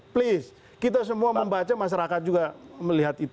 please kita semua membaca masyarakat juga melihat itu